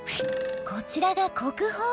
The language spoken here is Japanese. こちらが国宝！